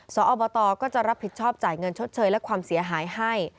สอบตก็จะรับผิดชอบจ่ายเงินชดเชยและความเสียหายให้